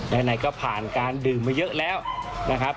ไหนก็ผ่านการดื่มมาเยอะแล้วนะครับ